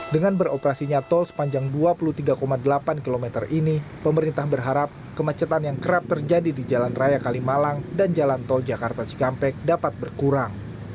dengan beroperasinya tol sepanjang dua puluh tiga delapan km ini pemerintah berharap kemacetan yang kerap terjadi di jalan raya kalimalang dan jalan tol jakarta cikampek dapat berkurang